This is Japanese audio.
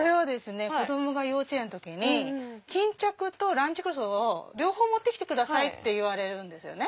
子供が幼稚園の時に巾着とランチクロスを両方持って来てくださいって言われるんですよね。